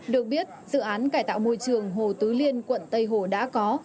được biết dự án cải tạo môi trường hồ tứ liên quận tây hồ đã có